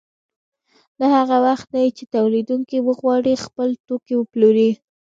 دا هغه وخت دی چې تولیدونکي وغواړي خپل توکي وپلوري